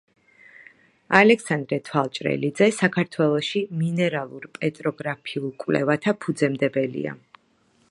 ალექსანდრე თვალჭრელიძე საქართველოში მინერალურ–პეტროგრაფიულ კვლევათა ფუძემდებელია.